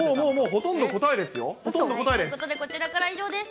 ほとんど答えです。